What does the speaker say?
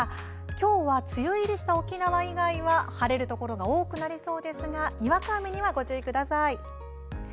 きょうは梅雨入りした沖縄以外は晴れるところが多くなりそうですがにわか雨にはご注意ください。